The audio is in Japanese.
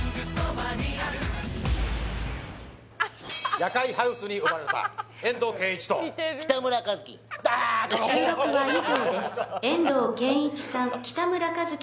「夜会ハウス」に呼ばれた遠藤憲一と北村一輝